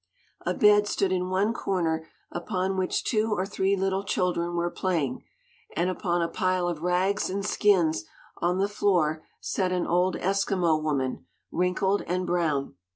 A bed stood in one corner, upon which two or three little children were playing, and upon a pile of rags and skins on the floor sat an old Eskimo woman, wrinkled and brown.